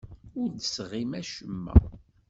Ur d-tesɣim acemma.